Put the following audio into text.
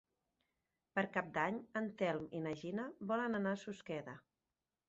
Per Cap d'Any en Telm i na Gina volen anar a Susqueda.